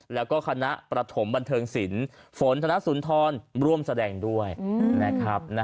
แล้วก็คณะประถมบันเทิงศิลป์ฝนธนสุนทรร่วมแสดงด้วยนะครับ